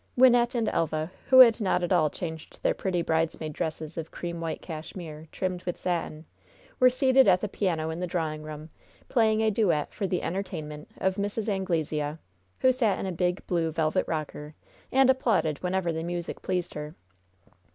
Wynnette and Elva, who had not at all changed their pretty bridesmaids' dresses of cream white cashmere trimmed with satin, were seated at the piano in the drawing room, playing a duet for the entertainment of Mrs. Anglesea, who sat in a big, blue velvet rocker, and applauded whenever the music pleased her.